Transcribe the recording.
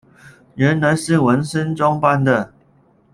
原来是文森装扮的。